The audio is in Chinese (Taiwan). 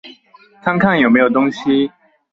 看看有沒有東西